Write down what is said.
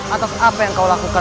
atas apa yang kau lakukan